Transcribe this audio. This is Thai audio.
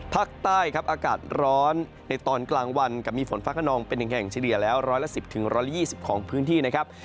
ภาคใต้ครับอากาศร้อนในตอนกลางวันกับมีฝนฟ้าขนองเป็น๑แห่งเฉลี่ยแล้วร้อยละ๑๐๑๒๐ของพื้นที่นะครับ